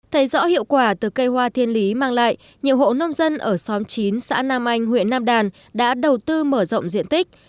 thấy rõ hiệu quả từ cây hoa thiên lý mang lại nhiều hộ nông dân ở xóm chín xã nam anh huyện nam đàn đã đầu tư mở rộng diện tích